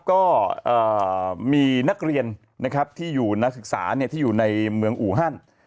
ก็มีนักเรียนนะครับที่อยู่นักศึกษาที่อยู่ในเมืองอูฮัน